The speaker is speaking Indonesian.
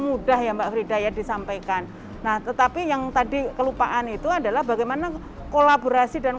mudah ya mbak frida ya disampaikan nah tetapi yang tadi kelupaan itu adalah bagaimana kolaborasi dan